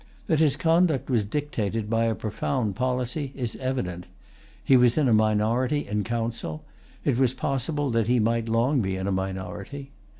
That his conduct was dictated by a profound policy is evident. He was in a minority in Council. It was possible that he might long be in a minority.